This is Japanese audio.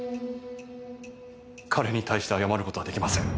彼に対して謝る事はできません。